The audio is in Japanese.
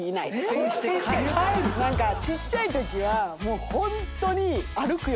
⁉ちっちゃいときはもうホントに。